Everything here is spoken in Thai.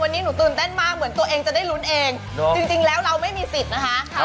วันนี้หนูตื่นเต้นมากเหมือนตัวเองจะได้ลุ้นเองจริงแล้วเราไม่มีสิทธิ์นะคะ